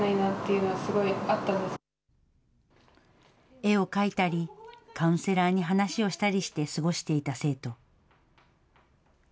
絵を描いたり、カウンセラーに話をしたりして過ごしていた生徒。